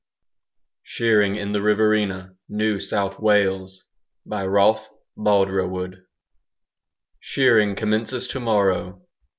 SHEARING IN THE RIVERINA, NEW SOUTH WALES. by Rolf Boldrewood "Shearing commences to morrow!"